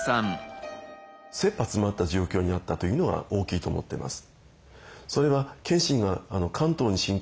切羽つまった状況になったというのが大きいと思ってます。